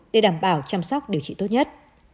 để đảm bảo chăm sóc điều trị tốt nhất